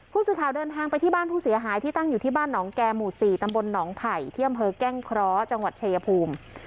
ผู้สื่อข่าวเดินทางไปที่บ้านผู้เสียหายที่ตั้งอยู่ที่บ้านหนองแก่หมู่๔ตำบลหนองไผ่ที่อำเภอแก้งเคราะห์จังหวัดชายภูมิ